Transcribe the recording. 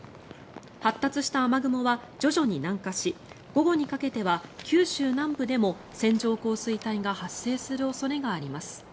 発達した雨雲は徐々に南下し午後にかけては九州南部でも線状降水帯が発生する恐れがあります。